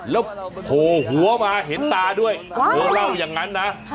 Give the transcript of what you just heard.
แล้วโผล่หัวมาเห็นตาด้วยเธอเล่าอย่างนั้นนะ